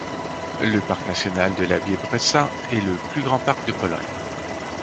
Le parc national de la Biebrza est le plus grand parc de Pologne.